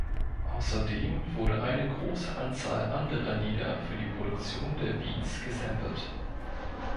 Außerdem wurde eine große Anzahl anderer Lieder für die Produktion der Beats gesampelt.